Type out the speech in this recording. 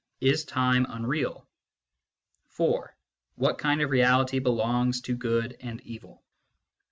Is time unreal ? IV. What kind of reality belongs to good and evil